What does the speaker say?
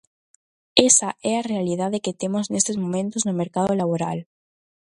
Esa é a realidade que temos nestes momentos no mercado laboral.